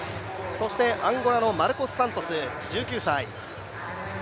そしてアンゴラのマルコス・サントス、１９歳。